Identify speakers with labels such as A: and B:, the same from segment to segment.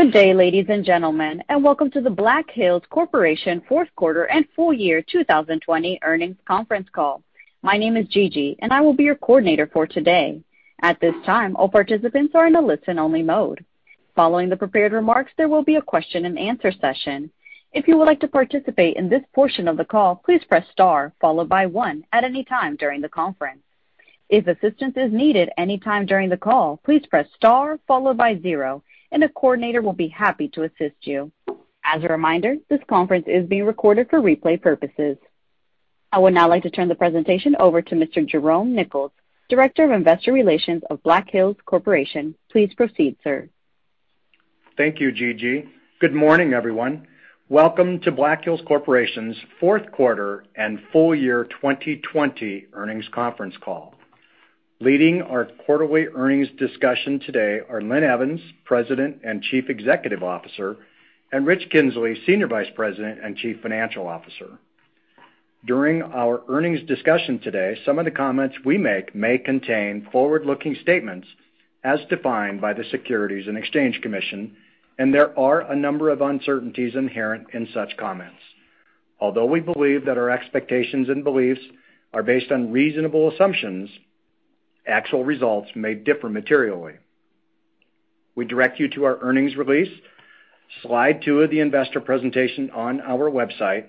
A: Good day, ladies and gentlemen, and welcome to the Black Hills Corporation fourth quarter and full year 2020 earnings conference call. My name is Gigi, and I will be your coordinator for today. At this time, all participants are in a listen only mode. Following the prepared remarks, there will be a question and answer session. If you would like to participate in this portion of the call, please press star followed by one at any time during the conference. If assistance is needed any time during the call, please press star followed by zero and a coordinator will be happy to assist you. As a reminder, this conference is being recorded for replay purposes. I would now like to turn the presentation over to Mr. Jerome Nichols, Director of Investor Relations of Black Hills Corporation. Please proceed, sir.
B: Thank you, Gigi. Good morning, everyone. Welcome to Black Hills Corporation's fourth quarter and full year 2020 earnings conference call. Leading our quarterly earnings discussion today are Linn Evans, President and Chief Executive Officer, and Richard Kinzley, Senior Vice President and Chief Financial Officer. During our earnings discussion today, some of the comments we make may contain forward-looking statements as defined by the Securities and Exchange Commission, and there are a number of uncertainties inherent in such comments. Although we believe that our expectations and beliefs are based on reasonable assumptions, actual results may differ materially. We direct you to our earnings release, slide two of the investor presentation on our website,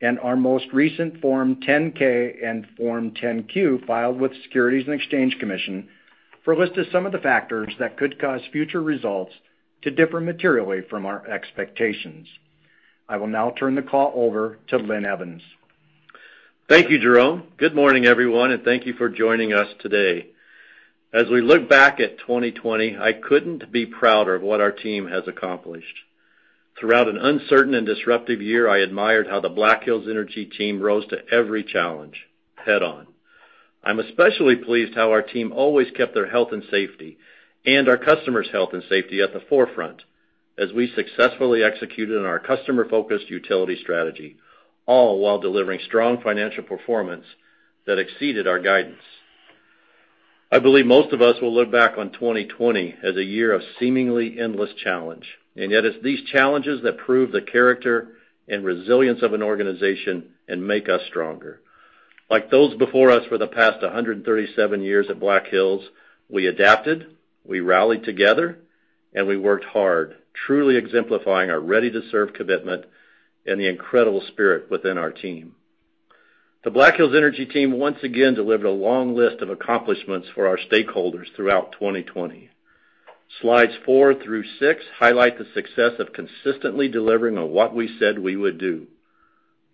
B: and our most recent Form 10-K and Form 10-Q filed with Securities and Exchange Commission for a list of some of the factors that could cause future results to differ materially from our expectations. I will now turn the call over to Linn Evans.
C: Thank you, Jerome. Good morning, everyone, and thank you for joining us today. As we look back at 2020, I couldn't be prouder of what our team has accomplished. Throughout an uncertain and disruptive year, I admired how the Black Hills Energy team rose to every challenge head on. I'm especially pleased how our team always kept their health and safety and our customers' health and safety at the forefront as we successfully executed on our customer-focused utility strategy, all while delivering strong financial performance that exceeded our guidance. I believe most of us will look back on 2020 as a year of seemingly endless challenge, and yet it's these challenges that prove the character and resilience of an organization and make us stronger. Like those before us for the past 137 years at Black Hills, we adapted, we rallied together, and we worked hard, truly exemplifying our ready to serve commitment and the incredible spirit within our team. The Black Hills Energy team once again delivered a long list of accomplishments for our stakeholders throughout 2020. Slides four through six highlight the success of consistently delivering on what we said we would do.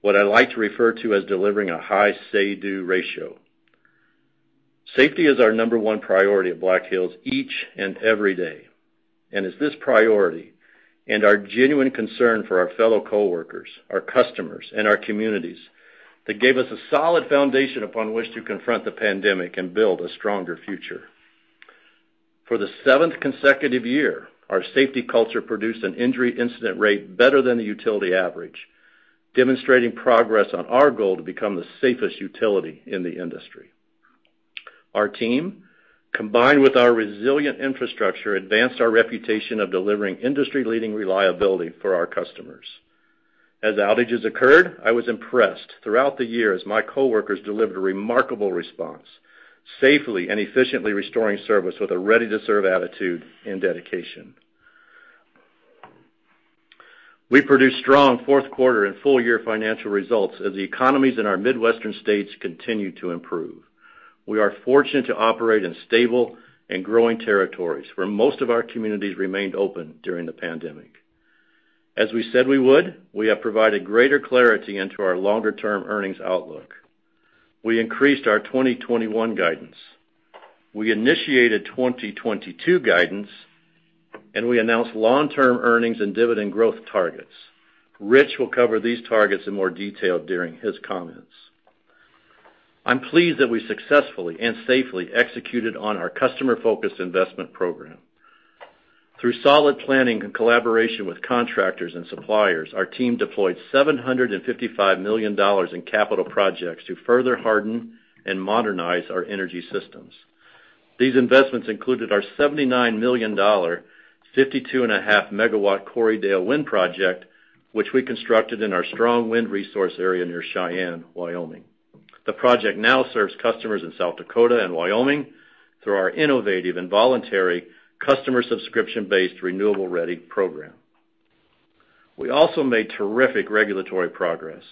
C: What I like to refer to as delivering a high say/do ratio. Safety is our number one priority at Black Hills each and every day. It's this priority and our genuine concern for our fellow coworkers, our customers, and our communities that gave us a solid foundation upon which to confront the pandemic and build a stronger future. For the seventh consecutive year, our safety culture produced an injury incident rate better than the utility average, demonstrating progress on our goal to become the safest utility in the industry. Our team, combined with our resilient infrastructure, advanced our reputation of delivering industry leading reliability for our customers. As outages occurred, I was impressed throughout the year as my coworkers delivered a remarkable response, safely and efficiently restoring service with a ready to serve attitude and dedication. We produced strong fourth quarter and full year financial results as the economies in our Midwestern states continue to improve. We are fortunate to operate in stable and growing territories where most of our communities remained open during the pandemic. As we said we would, we have provided greater clarity into our longer-term earnings outlook. We increased our 2021 guidance. We initiated 2022 guidance, and we announced long-term earnings and dividend growth targets. Rich will cover these targets in more detail during his comments. I'm pleased that we successfully and safely executed on our customer-focused investment program. Through solid planning and collaboration with contractors and suppliers, our team deployed $755 million in capital projects to further harden and modernize our energy systems. These investments included our $79 million, 52.5 megawatt Corriedale Wind Project, which we constructed in our strong wind resource area near Cheyenne, Wyoming. The project now serves customers in South Dakota and Wyoming through our innovative and voluntary customer subscription-based Renewable Ready program. We also made terrific regulatory progress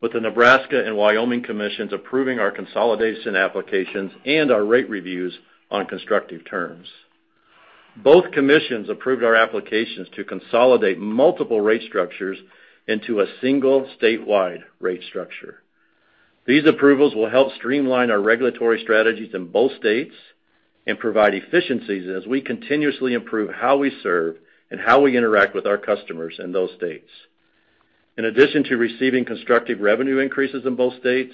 C: with the Nebraska and Wyoming Commissions approving our consolidation applications and our rate reviews on constructive terms. Both commissions approved our applications to consolidate multiple rate structures into a single statewide rate structure. These approvals will help streamline our regulatory strategies in both states and provide efficiencies as we continuously improve how we serve and how we interact with our customers in those states. In addition to receiving constructive revenue increases in both states,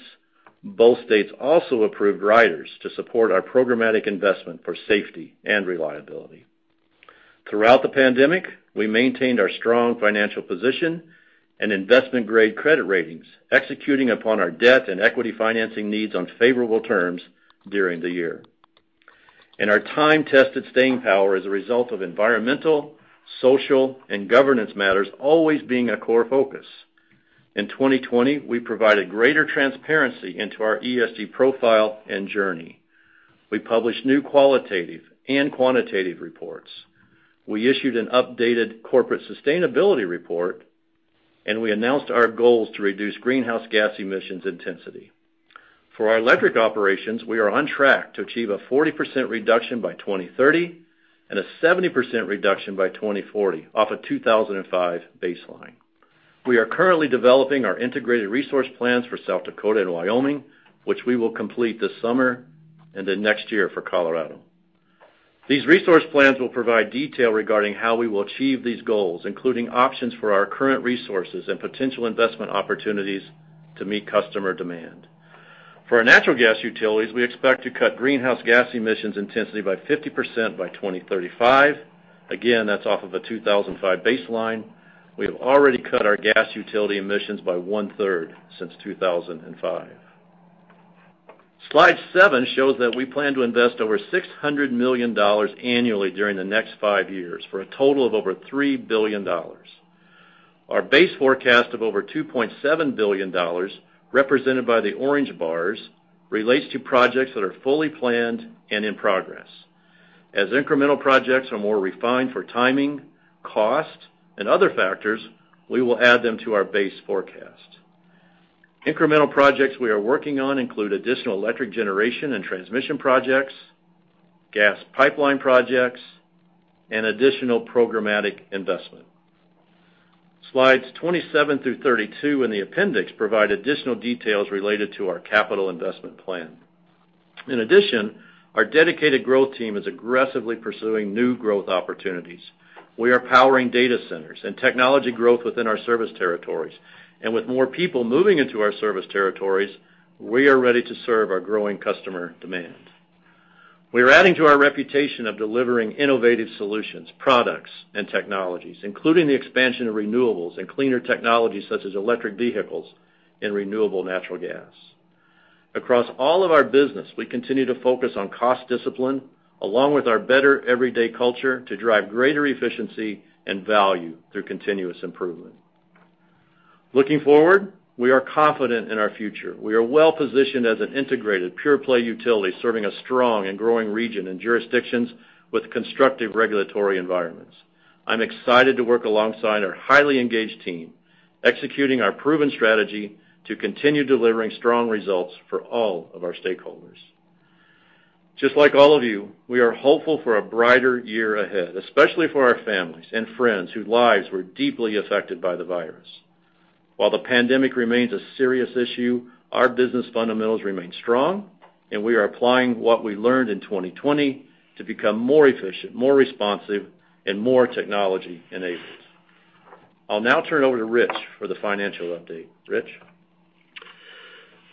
C: both states also approved riders to support our programmatic investment for safety and reliability. Throughout the pandemic, we maintained our strong financial position and investment-grade credit ratings, executing upon our debt and equity financing needs on favorable terms during the year. Our time-tested staying power as a result of environmental, social, and governance matters always being a core focus. In 2020, we provided greater transparency into our ESG profile and journey. We published new qualitative and quantitative reports. We issued an updated corporate sustainability report, and we announced our goals to reduce greenhouse gas emissions intensity. For our electric operations, we are on track to achieve a 40% reduction by 2030, and a 70% reduction by 2040 off a 2005 baseline. We are currently developing our integrated resource plans for South Dakota and Wyoming, which we will complete this summer, and then next year for Colorado. These resource plans will provide detail regarding how we will achieve these goals, including options for our current resources and potential investment opportunities to meet customer demand. For our natural gas utilities, we expect to cut greenhouse gas emissions intensity by 50% by 2035. Again, that's off of a 2005 baseline. We have already cut our gas utility emissions by one-third since 2005. Slide seven shows that we plan to invest over $600 million annually during the next five years for a total of over $3 billion. Our base forecast of over $2.7 billion, represented by the orange bars, relates to projects that are fully planned and in progress. As incremental projects are more refined for timing, cost, and other factors, we will add them to our base forecast. Incremental projects we are working on include additional electric generation and transmission projects, gas pipeline projects, and additional programmatic investment. Slides 27 through 32 in the appendix provide additional details related to our capital investment plan. In addition, our dedicated growth team is aggressively pursuing new growth opportunities. We are powering data centers and technology growth within our service territories. With more people moving into our service territories, we are ready to serve our growing customer demands. We are adding to our reputation of delivering innovative solutions, products, and technologies, including the expansion of renewables and cleaner technologies such as electric vehicles and renewable natural gas. Across all of our business, we continue to focus on cost discipline, along with our better everyday culture to drive greater efficiency and value through continuous improvement. Looking forward, we are confident in our future. We are well-positioned as an integrated pure-play utility serving a strong and growing region in jurisdictions with constructive regulatory environments. I'm excited to work alongside our highly engaged team, executing our proven strategy to continue delivering strong results for all of our stakeholders. Just like all of you, we are hopeful for a brighter year ahead, especially for our families and friends whose lives were deeply affected by the virus. While the pandemic remains a serious issue, our business fundamentals remain strong, and we are applying what we learned in 2020 to become more efficient, more responsive, and more technology-enablers. I'll now turn it over to Rich for the financial update. Rich?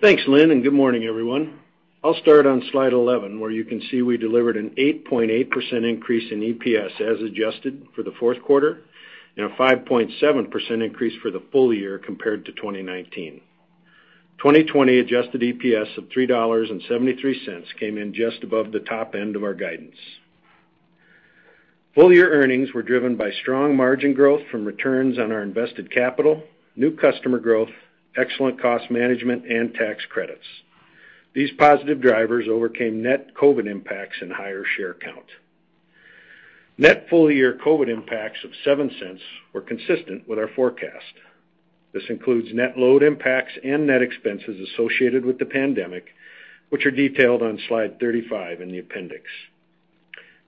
D: Thanks, Linn. Good morning, everyone. I'll start on slide 11, where you can see we delivered an 8.8% increase in EPS as adjusted for the fourth quarter, and a 5.7% increase for the full year compared to 2019. 2020 adjusted EPS of $3.73 came in just above the top end of our guidance. Full-year earnings were driven by strong margin growth from returns on our invested capital, new customer growth, excellent cost management, and tax credits. These positive drivers overcame net COVID impacts and higher share count. Net full-year COVID impacts of $0.07 were consistent with our forecast. This includes net load impacts and net expenses associated with the pandemic, which are detailed on slide 35 in the appendix.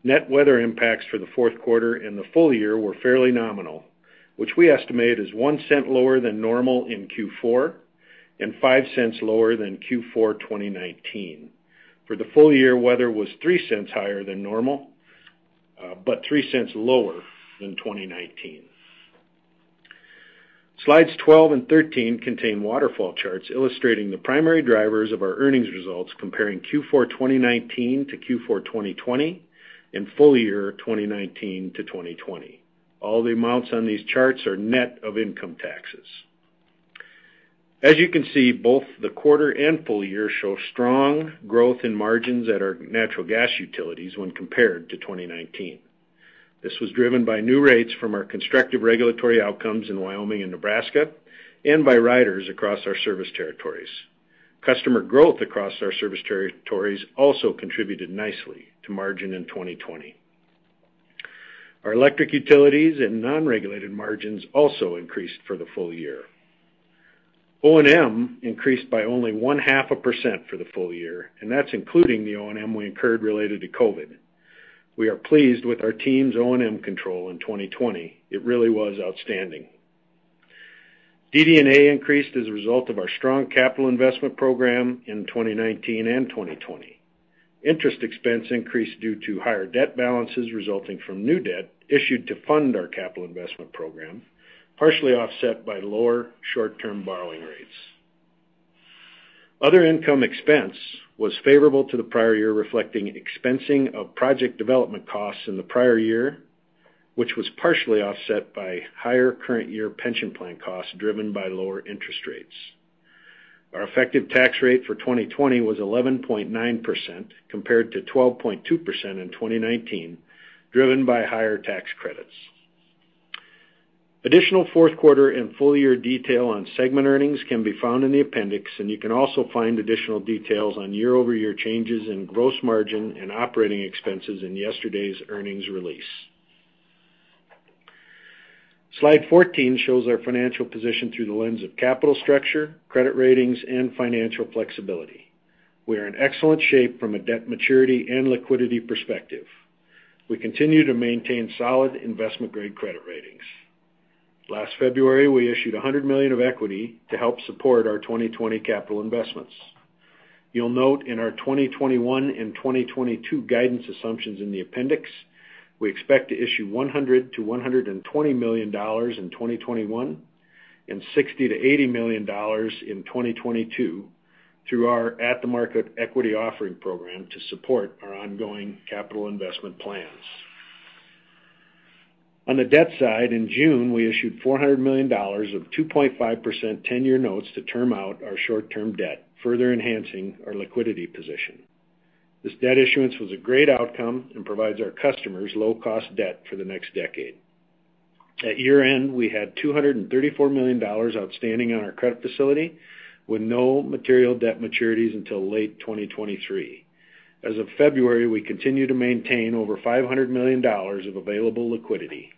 D: Net weather impacts for the fourth quarter and the full year were fairly nominal, which we estimate is $0.01 lower than normal in Q4, and $0.05 lower than Q4 2019. For the full year, weather was $0.03 higher than normal, $0.03 lower than 2019. Slides 12 and 13 contain waterfall charts illustrating the primary drivers of our earnings results comparing Q4 2019 to Q4 2020, full year 2019 to 2020. All the amounts on these charts are net of income taxes. As you can see, both the quarter and full year show strong growth in margins at our natural gas utilities when compared to 2019. This was driven by new rates from our constructive regulatory outcomes in Wyoming and Nebraska, by riders across our service territories. Customer growth across our service territories also contributed nicely to margin in 2020. Our electric utilities and non-regulated margins also increased for the full year. O&M increased by only one-half a percent for the full year, that's including the O&M we incurred related to COVID. We are pleased with our team's O&M control in 2020. It really was outstanding. DD&A increased as a result of our strong capital investment program in 2019 and 2020. Interest expense increased due to higher debt balances resulting from new debt issued to fund our capital investment program, partially offset by lower short-term borrowing rates. Other income expense was favorable to the prior year, reflecting expensing of project development costs in the prior year, which was partially offset by higher current year pension plan costs driven by lower interest rates. Our effective tax rate for 2020 was 11.9% compared to 12.2% in 2019, driven by higher tax credits. Additional fourth quarter and full-year detail on segment earnings can be found in the appendix, and you can also find additional details on year-over-year changes in gross margin and operating expenses in yesterday's earnings release. Slide 14 shows our financial position through the lens of capital structure, credit ratings, and financial flexibility. We are in excellent shape from a debt maturity and liquidity perspective. We continue to maintain solid investment-grade credit ratings. Last February, we issued $100 million of equity to help support our 2020 capital investments. You'll note in our 2021 and 2022 guidance assumptions in the appendix, we expect to issue $100 million-$120 million in 2021, and $60 million-$80 million in 2022 through our at-the-market equity offering program to support our ongoing capital investment plans. On the debt side, in June, we issued $400 million of 2.5% 10-year notes to term out our short-term debt, further enhancing our liquidity position. This debt issuance was a great outcome and provides our customers low-cost debt for the next decade. At year-end, we had $234 million outstanding on our credit facility with no material debt maturities until late 2023. As of February, we continue to maintain over $500 million of available liquidity.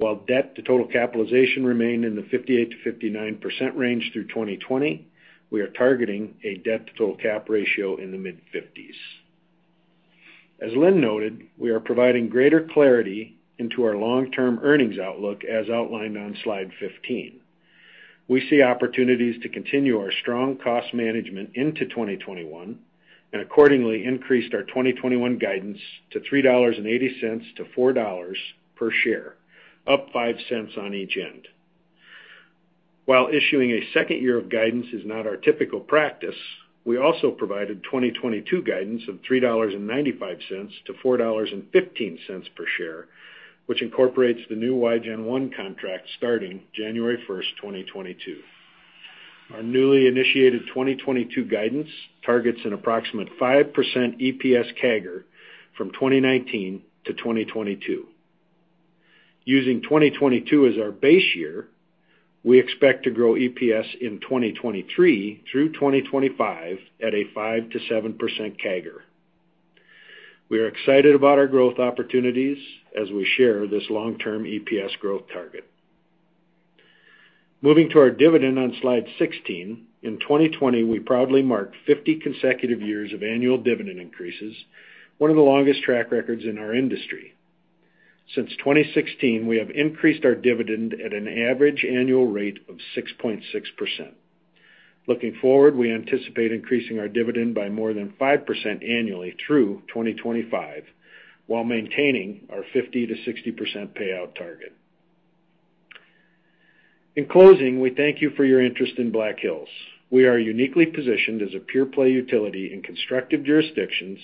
D: While debt to total capitalization remained in the 58%-59% range through 2020, we are targeting a debt-to-total cap ratio in the mid-50s. As Linn noted, we are providing greater clarity into our long-term earnings outlook as outlined on Slide 15. We see opportunities to continue our strong cost management into 2021 and, accordingly, increased our 2021 guidance to $3.80-$4.00 per share, up $0.05 on each end. While issuing a second year of guidance is not our typical practice, we also provided 2022 guidance of $3.95-$4.15 per share, which incorporates the new Wygen I contract starting January 1st, 2022. Our newly initiated 2022 guidance targets an approximate 5% EPS CAGR from 2019 to 2022. Using 2022 as our base year, we expect to grow EPS in 2023 through 2025 at a 5%-7% CAGR. We are excited about our growth opportunities as we share this long-term EPS growth target. Moving to our dividend on Slide 16, in 2020, we proudly marked 50 consecutive years of annual dividend increases, one of the longest track records in our industry. Since 2016, we have increased our dividend at an average annual rate of 6.6%. Looking forward, we anticipate increasing our dividend by more than 5% annually through 2025 while maintaining our 50%-60% payout target. In closing, we thank you for your interest in Black Hills. We are uniquely positioned as a pure-play utility in constructive jurisdictions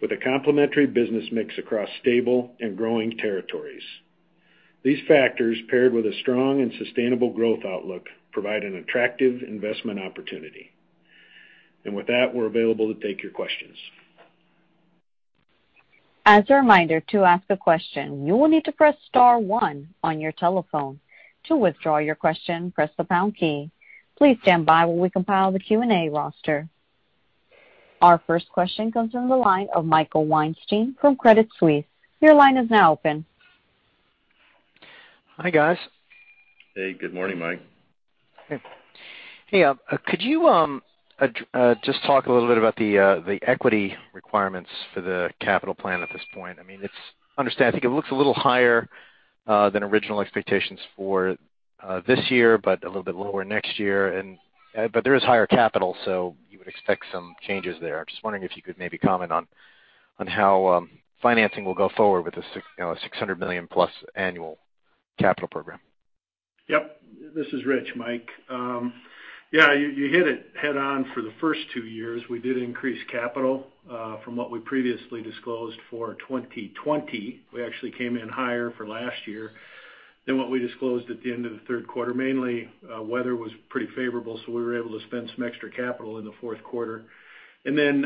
D: with a complementary business mix across stable and growing territories. These factors, paired with a strong and sustainable growth outlook, provide an attractive investment opportunity. With that, we're available to take your questions.
A: As a reminder, to ask a question you need to press star one on your telephone. To withdraw your question press the pound key. Please stand by while we compile the Q&A roster. Our first question comes from the line of Michael Weinstein from Credit Suisse. Your line is now open.
E: Hi, guys.
C: Hey, good morning, Mike.
E: Hey. Could you just talk a little bit about the equity requirements for the capital plan at this point? I think it looks a little higher than original expectations for this year, but a little bit lower next year. There is higher capital, so you would expect some changes there. I'm just wondering if you could maybe comment on how financing will go forward with the $600 million-plus annual capital program?
D: Yep. This is Rich, Mike. Yeah, you hit it head-on for the first two years. We did increase capital from what we previously disclosed for 2020. We actually came in higher for last year than what we disclosed at the end of the third quarter. Mainly, weather was pretty favorable, so we were able to spend some extra capital in the fourth quarter, and then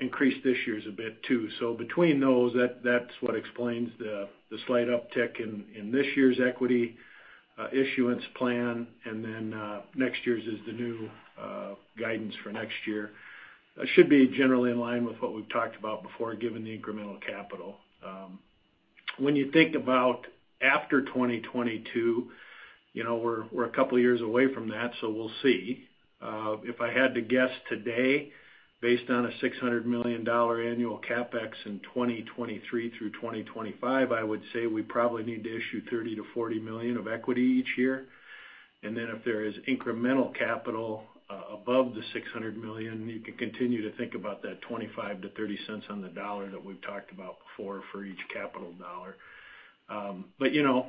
D: increased this year's a bit, too. Between those, that's what explains the slight uptick in this year's equity issuance plan, and then next year's is the new guidance for next year. Should be generally in line with what we've talked about before, given the incremental capital. When you think about after 2022, we're a couple of years away from that, so we'll see. If I had to guess today, based on a $600 million annual CapEx in 2023 through 2025, I would say we probably need to issue $30 million to $40 million of equity each year. If there is incremental capital above the $600 million, you can continue to think about that $0.25 to $0.30 on the dollar that we've talked about before for each capital dollar.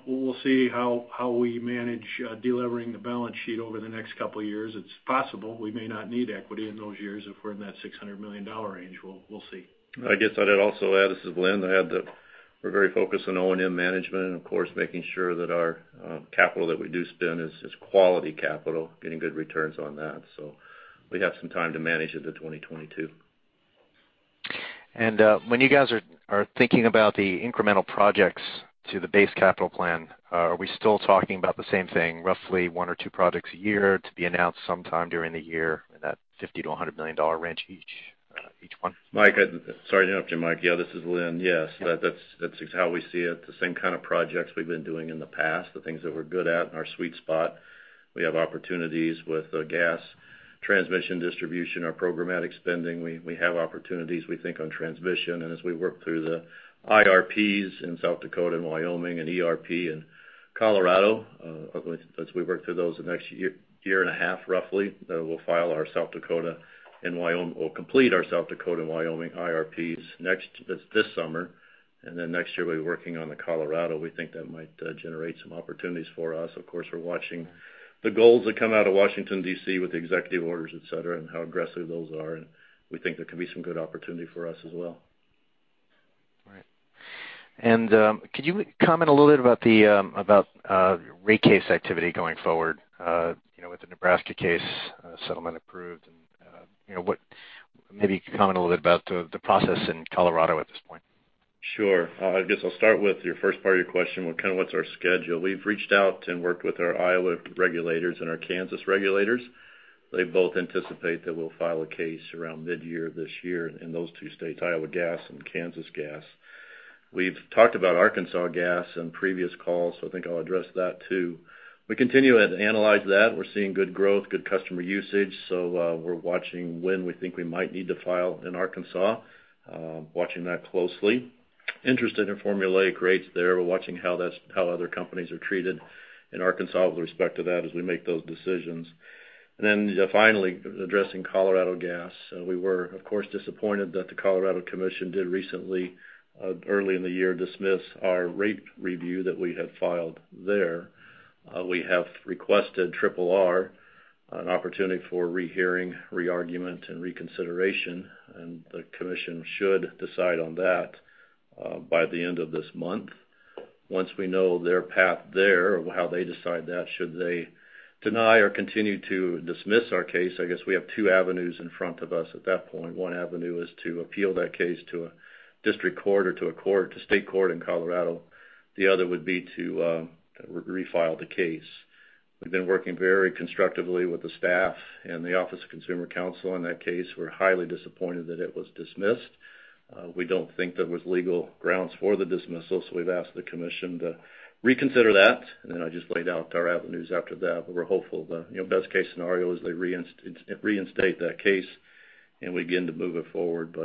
D: We'll see how we manage de-levering the balance sheet over the next couple of years. It's possible we may not need equity in those years if we're in that $600 million range. We'll see.
C: I guess I'd also add, this is Linn. I'd add that we're very focused on O&M management and, of course, making sure that our capital that we do spend is quality capital, getting good returns on that. We have some time to manage into 2022.
E: When you guys are thinking about the incremental projects to the base capital plan, are we still talking about the same thing, roughly one or two projects a year to be announced sometime during the year in that $50 million-$100 million range each one?
C: Mike, sorry to interrupt you, Mike. Yeah, this is Linn. Yes. That's how we see it, the same kind of projects we've been doing in the past, the things that we're good at and our sweet spot. We have opportunities with the gas transmission distribution, our programmatic spending. We have opportunities, we think, on transmission. As we work through the IRPs in South Dakota and Wyoming, and ERP in Colorado, as we work through those the next year and a half, roughly, we'll complete our South Dakota and Wyoming IRPs this summer, and then next year we'll be working on the Colorado. We think that might generate some opportunities for us. Of course, we're watching the goals that come out of Washington, D.C. with the executive orders, et cetera, and how aggressive those are, and we think there could be some good opportunity for us as well.
E: All right. Could you comment a little bit about rate case activity going forward? With the Nebraska case settlement approved, maybe comment a little bit about the process in Colorado at this point.
C: Sure. I guess I'll start with your first part of your question, kind of what's our schedule. We've reached out and worked with our Iowa regulators and our Kansas regulators. They both anticipate that we'll file a case around mid-year this year in those two states, Iowa Gas and Kansas Gas. We've talked about Arkansas Gas in previous calls, I think I'll address that, too. We continue to analyze that. We're seeing good growth, good customer usage. We're watching when we think we might need to file in Arkansas, watching that closely. Interested in formulaic rates there. We're watching how other companies are treated in Arkansas with respect to that as we make those decisions. Finally, addressing Colorado Gas, we were, of course, disappointed that the Colorado Commission did recently, early in the year, dismiss our rate review that we had filed there. We have requested Triple R, an opportunity for rehearing, reargument, and reconsideration. The commission should decide on that by the end of this month. Once we know their path there or how they decide that, should they deny or continue to dismiss our case, I guess we have two avenues in front of us at that point. One avenue is to appeal that case to a district court or to a state court in Colorado. The other would be to refile the case. We've been working very constructively with the staff and the Office of Consumer Counsel on that case. We're highly disappointed that it was dismissed. We don't think there was legal grounds for the dismissal. We've asked the commission to reconsider that. I just laid out our avenues after that. We're hopeful the best-case scenario is they reinstate that case and we begin to move it forward.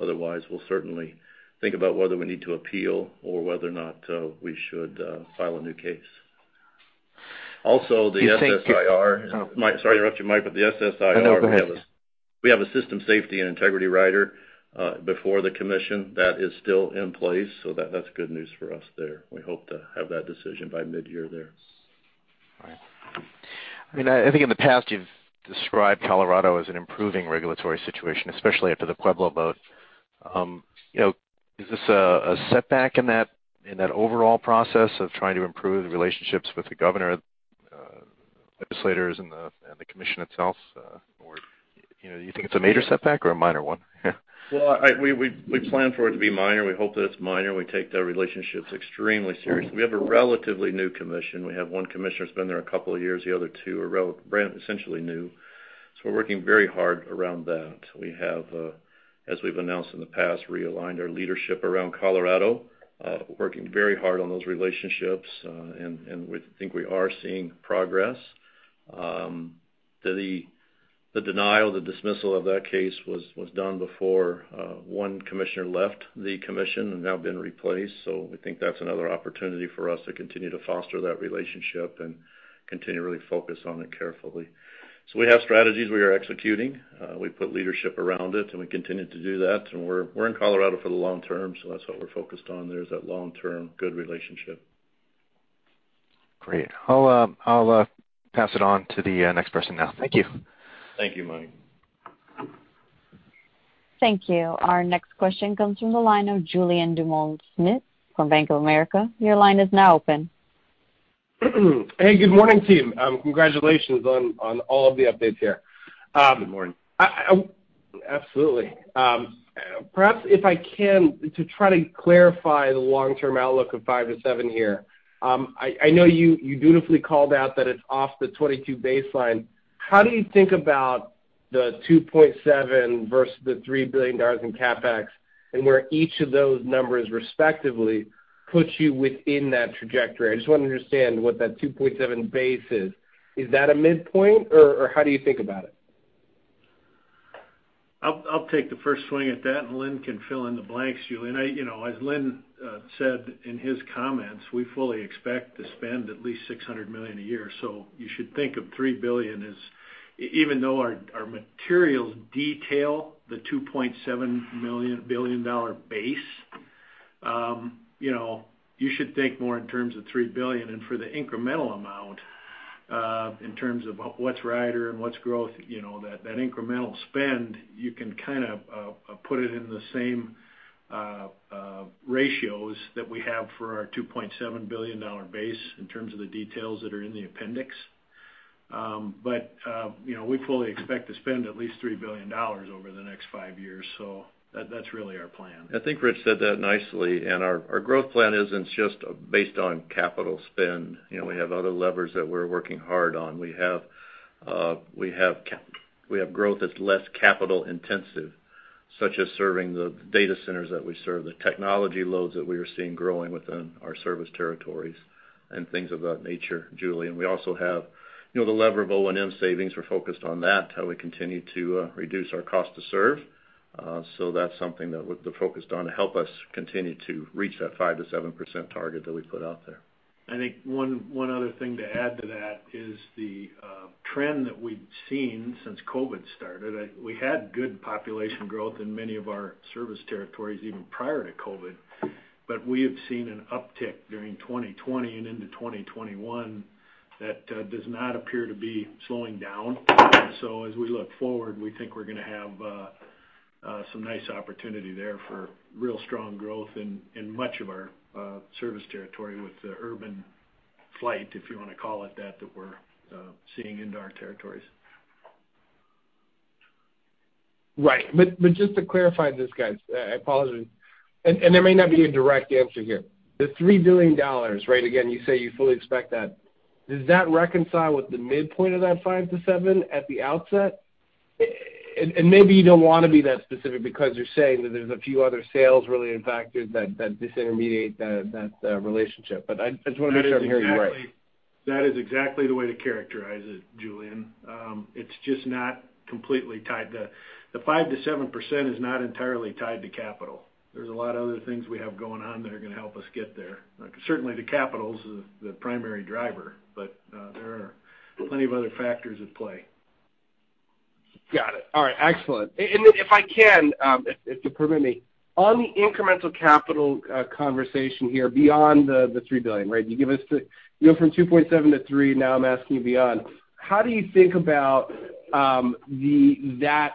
C: Otherwise, we'll certainly think about whether we need to appeal or whether or not we should file a new case. Also, the SSIR-
E: Thank you.
C: Mike, sorry to interrupt you, Mike, but the SSIR.
E: No, go ahead.
C: We have a System Safety and Integrity Rider before the Commission. That is still in place, that's good news for us there. We hope to have that decision by mid-year there.
E: All right. I think in the past, you've described Colorado as an improving regulatory situation, especially after the Pueblo vote. Is this a setback in that overall process of trying to improve the relationships with the governor, legislators, and the commission itself? Do you think it's a major setback or a minor one?
C: Well, we plan for it to be minor. We hope that it's minor. We take the relationships extremely seriously. We have a relatively new commission. We have one commissioner that's been there a couple of years. The other two are essentially new. We're working very hard around that. We have, as we've announced in the past, realigned our leadership around Colorado, working very hard on those relationships, and we think we are seeing progress. The denial, the dismissal of that case was done before one commissioner left the commission, and now been replaced. We think that's another opportunity for us to continue to foster that relationship and continually focus on it carefully. We have strategies we are executing. We put leadership around it, and we continue to do that. We're in Colorado for the long term. That's what we're focused on there is that long-term good relationship.
E: Great. I'll pass it on to the next person now. Thank you.
C: Thank you, Mike.
A: Thank you. Our next question comes from the line of Julien Dumoulin-Smith from Bank of America. Your line is now open.
F: Hey, good morning, team. Congratulations on all of the updates here.
C: Good morning.
F: Absolutely. Perhaps if I can, to try to clarify the long-term outlook of five to seven here. I know you beautifully called out that it's off the 2022 baseline. How do you think about the $2.7 versus the $3 billion in CapEx and where each of those numbers respectively puts you within that trajectory? I just want to understand what that 2.7 base is. Is that a midpoint, or how do you think about it?
D: I'll take the first swing at that, and Linn can fill in the blanks, Julien. As Linn said in his comments, we fully expect to spend at least $600 million a year. You should think of $3 billion as, even though our materials detail the $2.7 billion base, you should think more in terms of $3 billion. For the incremental amount, in terms of what's rider and what's growth, that incremental spend, you can kind of put it in the same ratios that we have for our $2.7 billion base in terms of the details that are in the appendix. We fully expect to spend at least $3 billion over the next five years. That's really our plan.
C: I think Rich said that nicely. Our growth plan isn't just based on capital spend. We have other levers that we're working hard on. We have growth that's less capital-intensive, such as serving the data centers that we serve, the technology loads that we are seeing growing within our service territories, and things of that nature, Julien. We also have the lever of O&M savings. We're focused on that, how we continue to reduce our cost to serve. That's something that we're focused on to help us continue to reach that 5%-7% target that we put out there.
D: I think one other thing to add to that is the trend that we've seen since COVID started. We had good population growth in many of our service territories even prior to COVID. We have seen an uptick during 2020 and into 2021 that does not appear to be slowing down. As we look forward, we think we're going to have some nice opportunity there for real strong growth in much of our service territory with the urban flight, if you want to call it that we're seeing into our territories.
F: Right. Just to clarify this, guys, I apologize, and there may not be a direct answer here. The $3 billion, right? Again, you say you fully expect that. Does that reconcile with the midpoint of that $5%-$7% at the outset? Maybe you don't want to be that specific because you're saying that there's a few other sales-related factors that disintermediate that relationship. I just want to make sure I'm hearing you right.
D: That is exactly the way to characterize it, Julien. It's just not completely tied. The 5%-7% is not entirely tied to capital. There's a lot of other things we have going on that are going to help us get there. Certainly, the capital's the primary driver, but there are plenty of other factors at play.
F: Got it. All right, excellent. If I can, if you'll permit me, on the incremental capital conversation here beyond the $3 billion, right? You go from $2.7 billion to $3 billion, now I'm asking you beyond. How do you think about that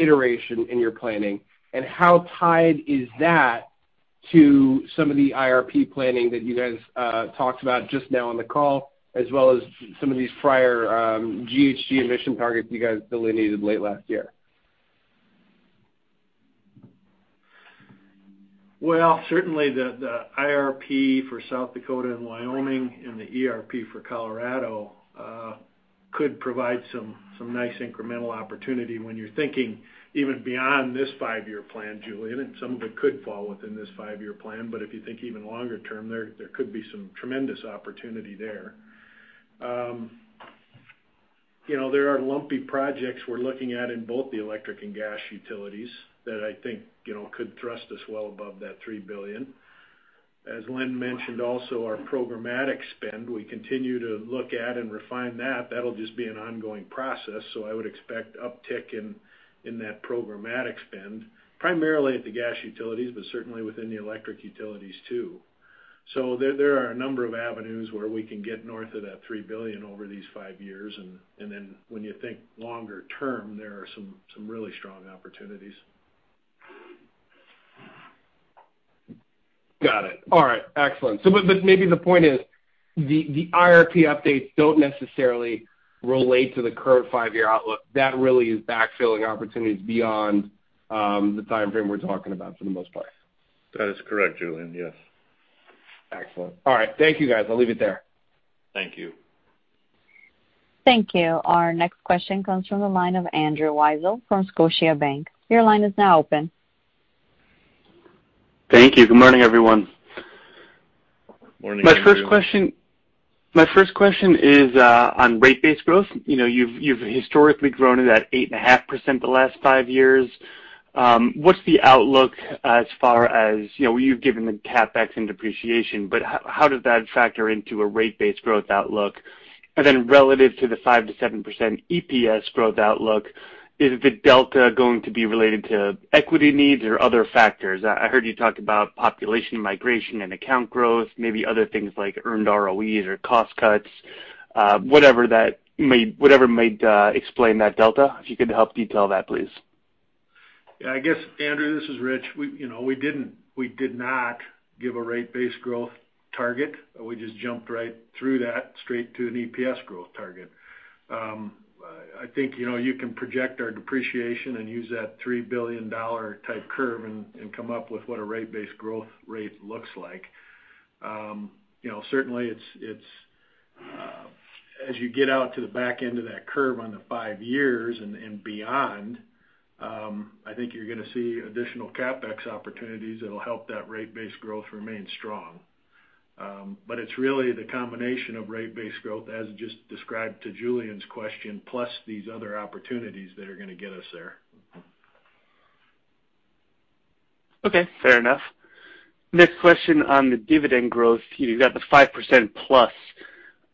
F: iteration in your planning, and how tied is that to some of the IRP planning that you guys talked about just now on the call, as well as some of these prior GHG emission targets you guys delineated late last year?
D: Certainly the IRP for South Dakota and Wyoming and the ERP for Colorado could provide some nice incremental opportunity when you're thinking even beyond this five-year plan, Julien, and some of it could fall within this five-year plan. If you think even longer term, there could be some tremendous opportunity there. There are lumpy projects we're looking at in both the electric and gas utilities that I think could thrust us well above that $3 billion. As Linn mentioned also, our programmatic spend, we continue to look at and refine that. That'll just be an ongoing process, so I would expect uptick in that programmatic spend, primarily at the gas utilities, but certainly within the electric utilities, too. There are a number of avenues where we can get north of that $3 billion over these 5 years. When you think longer term, there are some really strong opportunities.
F: Got it. All right, excellent. Maybe the point is the IRP updates don't necessarily relate to the current five-year outlook. That really is backfilling opportunities beyond the time frame we're talking about for the most part.
C: That is correct, Julien, yes.
F: Excellent. All right. Thank you, guys. I'll leave it there.
C: Thank you.
A: Thank you. Our next question comes from the line of Andrew Weisel from Scotiabank. Your line is now open.
G: Thank you. Good morning, everyone.
C: Morning, Andrew.
G: My first question is on rate base growth. You've historically grown at that 8.5% the last five years. What's the outlook as far as, you've given the CapEx and depreciation, but how does that factor into a rate base growth outlook? Relative to the 5%-7% EPS growth outlook, is the delta going to be related to equity needs or other factors? I heard you talk about population migration and account growth, maybe other things like earned ROEs or cost cuts, whatever might explain that delta, if you could help detail that, please.
D: I guess, Andrew, this is Rich. We did not give a rate base growth target. We just jumped right through that straight to an EPS growth target. I think you can project our depreciation and use that $3 billion type curve and come up with what a rate base growth rate looks like. Certainly, as you get out to the back end of that curve on the five years and beyond, I think you're going to see additional CapEx opportunities that'll help that rate base growth remain strong. It's really the combination of rate base growth, as just described to Julien's question, plus these other opportunities that are going to get us there.
G: Okay, fair enough. Next question on the dividend growth. You've got the 5% plus.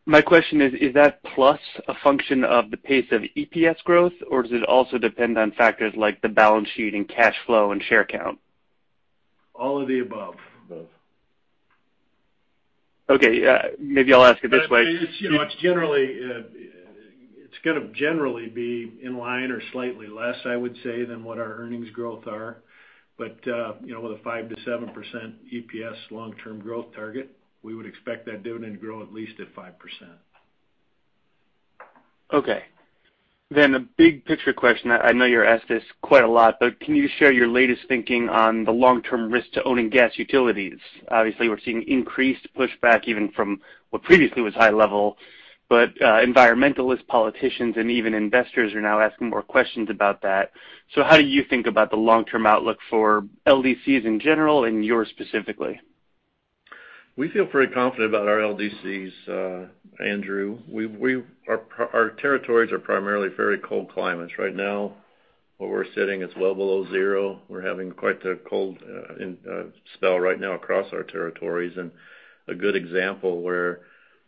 G: My question is that plus a function of the pace of EPS growth, or does it also depend on factors like the balance sheet and cash flow and share count?
D: All of the above.
C: Above.
G: Okay. Maybe I'll ask it this way.
D: It's going to generally be in line or slightly less, I would say, than what our earnings growth are. With a 5%-7% EPS long-term growth target, we would expect that dividend to grow at least at 5%.
G: A big picture question. I know you're asked this quite a lot, can you share your latest thinking on the long-term risk to owning gas utilities? Obviously, we're seeing increased pushback even from what previously was high level, environmentalist politicians and even investors are now asking more questions about that. How do you think about the long-term outlook for LDCs in general and yours specifically?
C: We feel pretty confident about our LDCs, Andrew. Our territories are primarily very cold climates. Right now, where we're sitting, it's well below zero. We're having quite the cold spell right now across our territories. A good example where,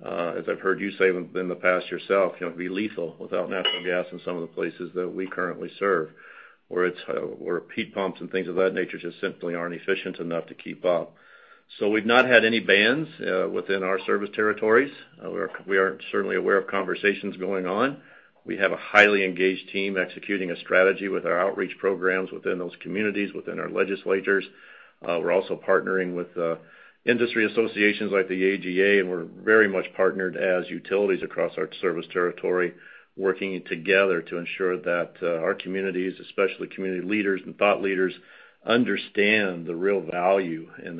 C: as I've heard you say in the past yourself, it'd be lethal without natural gas in some of the places that we currently serve, where heat pumps and things of that nature just simply aren't efficient enough to keep up. We've not had any bans within our service territories. We are certainly aware of conversations going on. We have a highly engaged team executing a strategy with our outreach programs within those communities, within our legislatures. We're also partnering with industry associations like the AGA, and we're very much partnered as utilities across our service territory, working together to ensure that our communities, especially community leaders and thought leaders, understand the real value and,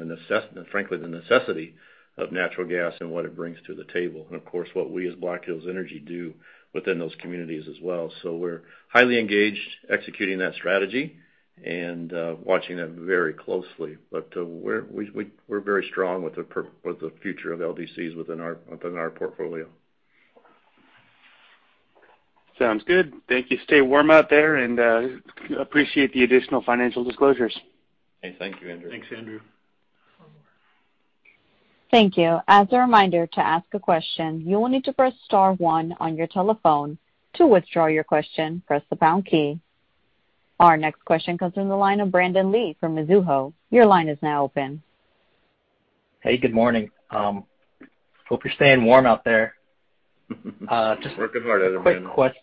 C: frankly, the necessity of natural gas and what it brings to the table. Of course, what we as Black Hills Energy do within those communities as well. We're highly engaged executing that strategy and watching that very closely. We're very strong with the future of LDCs within our portfolio.
G: Sounds good. Thank you. Stay warm out there and appreciate the additional financial disclosures.
C: Hey, thank you, Andrew.
D: Thanks, Andrew.
A: Thank you. As a reminder, to ask a question, you will need to press star one on your telephone. To withdraw your question, press the pound key. Our next question comes from the line of Brandon Lee from Mizuho. Your line is now open.
H: Hey, good morning. Hope you're staying warm out there.
C: Working hard out there, Brandon.
H: Just a quick question.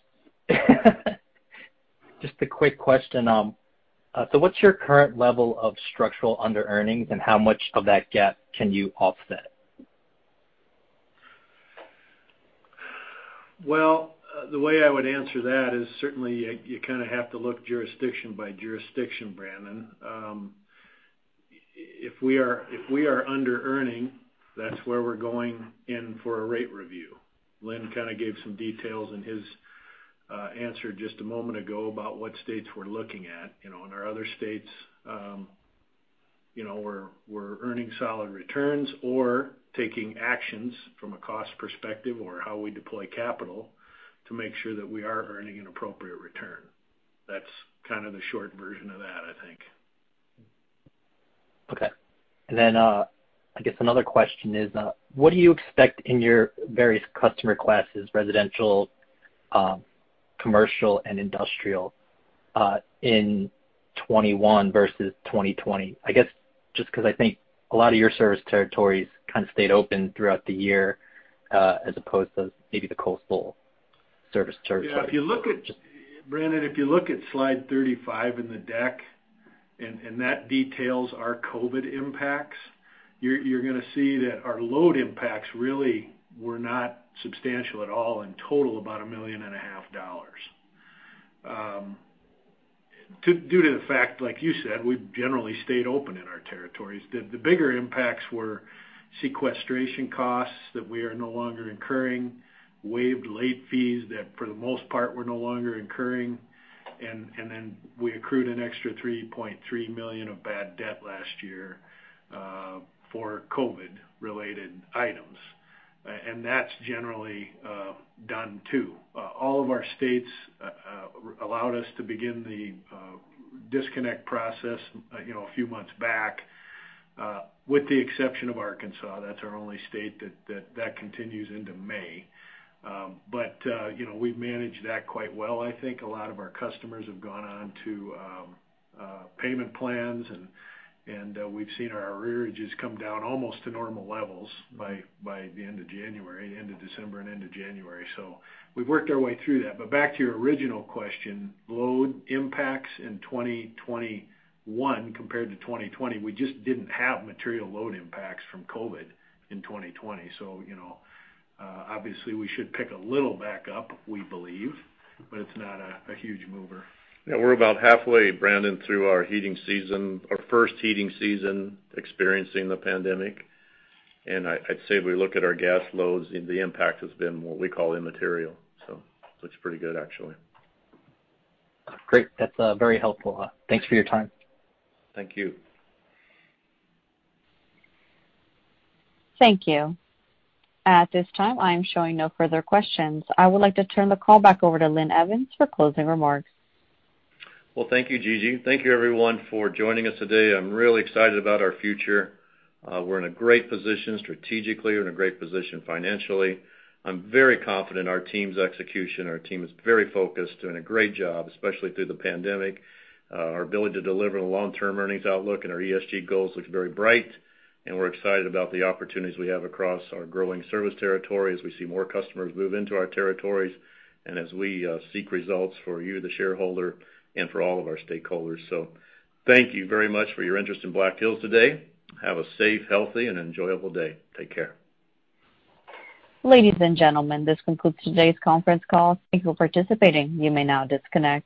H: What's your current level of structural underearnings, and how much of that gap can you offset?
D: Well, the way I would answer that is certainly you kind of have to look jurisdiction by jurisdiction, Brandon. If we are underearning, that's where we're going in for a rate review. Linn kind of gave some details in his answer just a moment ago about what states we're looking at. In our other states, we're earning solid returns or taking actions from a cost perspective or how we deploy capital to make sure that we are earning an appropriate return. That's kind of the short version of that, I think.
H: Okay. I guess another question is, what do you expect in your various customer classes, residential, commercial, and industrial, in 2021 versus 2020? I guess just because I think a lot of your service territories kind of stayed open throughout the year as opposed to maybe the coastal service territories.
D: Brandon, if you look at slide 35 in the deck, and that details our COVID impacts, you're going to see that our load impacts really were not substantial at all, in total about $1.5 million. Due to the fact, like you said, we've generally stayed open in our territories. The bigger impacts were sequestration costs that we are no longer incurring, waived late fees that for the most part we're no longer incurring, and then we accrued an extra $3.3 million of bad debt last year for COVID-related items. That's generally done, too. All of our states allowed us to begin the disconnect process a few months back, with the exception of Arkansas. That's our only state that continues into May. We've managed that quite well. I think a lot of our customers have gone on to payment plans, and we've seen our arrearages come down almost to normal levels by the end of December and into January. We've worked our way through that. Back to your original question, load impacts in 2021 compared to 2020, we just didn't have material load impacts from COVID in 2020. Obviously we should pick a little back up, we believe, but it's not a huge mover.
C: Yeah, we're about halfway, Brandon, through our first heating season experiencing the pandemic, I'd say if we look at our gas loads, the impact has been what we call immaterial. Looks pretty good, actually.
H: Great. That's very helpful. Thanks for your time.
C: Thank you.
A: Thank you. At this time, I am showing no further questions. I would like to turn the call back over to Linn Evans for closing remarks.
C: Well, thank you, Gigi. Thank you, everyone, for joining us today. I'm really excited about our future. We're in a great position strategically. We're in a great position financially. I'm very confident in our team's execution. Our team is very focused, doing a great job, especially through the pandemic. Our ability to deliver the long-term earnings outlook and our ESG goals looks very bright, and we're excited about the opportunities we have across our growing service territory as we see more customers move into our territories and as we seek results for you, the shareholder, and for all of our stakeholders. Thank you very much for your interest in Black Hills today. Have a safe, healthy, and enjoyable day. Take care.
A: Ladies and gentlemen, this concludes today's conference call. Thank you for participating. You may now disconnect.